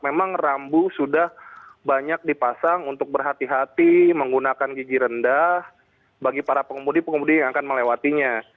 memang rambu sudah banyak dipasang untuk berhati hati menggunakan gigi rendah bagi para pengemudi pengemudi yang akan melewatinya